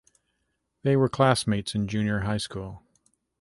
They were classmates in junior high school.